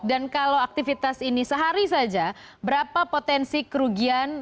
dan kalau aktivitas ini sehari saja berapa potensi kerugian